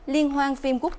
liên hoan phim quốc gia